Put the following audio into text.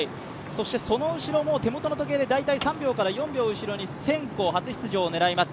その後ろ、手元の時計で３秒から４秒後ろにセンコー、初出場を狙います。